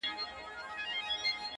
o چپ سه چـــپ ســــه نور مــه ژاړه؛